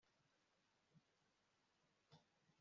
iyo umukiriya yimutse mu mpera z icyumweru